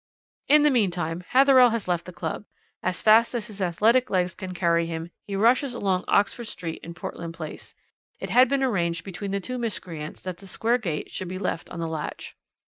"In the meantime Hatherell has left the club: as fast as his athletic legs can carry him he rushes along Oxford Street and Portland Place. It had been arranged between the two miscreants that the Square gate should be left on the latch.